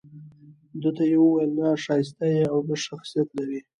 دې ته يې وويل نه ښايسته يې او نه شخصيت لرې